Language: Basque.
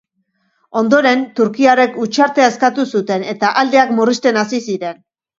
Ondoren, turkiarrek hutsartea eskatu zuten eta aldeak murrizten hasi ziren.